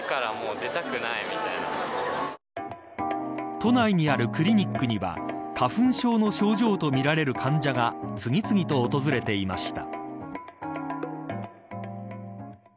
都内にあるクリニックには花粉症の症状とみられる患者が次々と訪れていました。